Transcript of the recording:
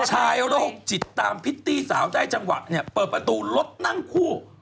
ชายโรคจิดตามพิฏตีสาวใจจังหวะเปิดประตูรถนั่งคู่